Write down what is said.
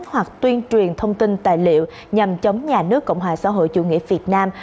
hoặc tuyên truyền thông tin tài liệu nhằm chống nhà nước cộng hòa xã hội chủ nghĩa việt nam